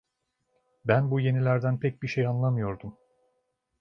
Ben bu yenilerden pek bir şey anlamıyordum.